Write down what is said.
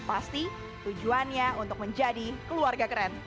pasti tujuannya untuk menjadi keluarga keren